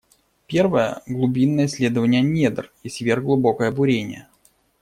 Первая — глубинное исследование недр и сверхглубокое бурение.